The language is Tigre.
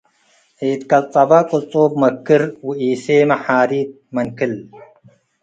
ኢትቀጸበ ቅጹብ መክር፡ ወኢሴመ ሓሪት መንክል።